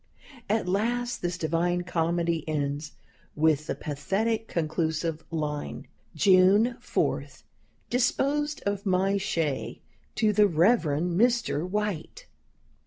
At last this divine comedy ends with the pathetic conclusive line, "June 4. Disposed of my shay to the Rev. Mr. White."